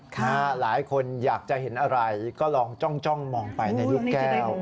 หลายคนอยากจะเห็นอะไรก็ลองจ้องมองไปในลูกแก้ว